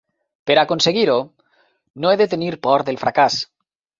Per a aconseguir-ho, no he de tenir por del fracàs.